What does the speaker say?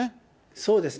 そうですね。